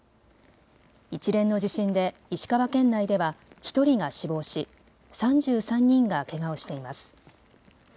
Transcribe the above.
一連の地震で石川県内では１人が死亡し３３人がけがをしています。